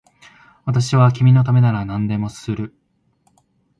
私は君のためなら何でもする